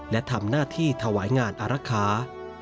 และทำหน้าที่ถวายงานอารักษา